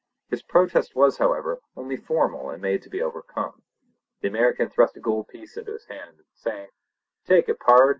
His protest was, however, only formal and made to be overcome. The American thrust a gold piece into his hand, saying: "Take it, pard!